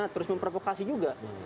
terus memprovokasi juga